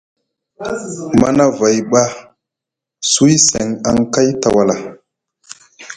Manavay ɓa suwi seŋ aŋkay tawala.